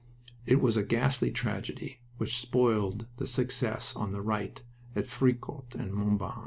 It was a ghastly tragedy, which spoiled the success on the right at Fricourt and Montauban.